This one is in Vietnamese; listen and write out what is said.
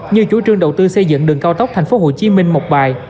như chủ trương đầu tư xây dựng đường cao tốc tp hcm một bài